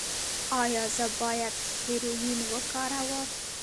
ایا زه باید هیرویین وکاروم؟